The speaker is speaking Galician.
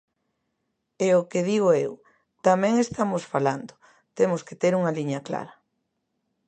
É o que digo eu, tamén estamos falando, temos que ter unha liña clara.